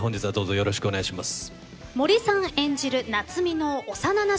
よろしくお願いします。